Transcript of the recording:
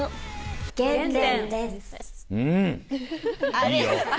あれ？